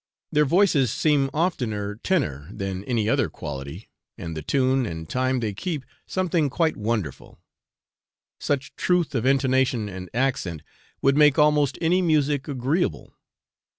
Their voices seem oftener tenor than any other quality, and the tune and time they keep something quite wonderful; such truth of intonation and accent would make almost any music agreeable.